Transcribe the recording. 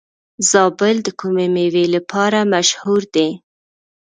زابل د کومې میوې لپاره مشهور دی؟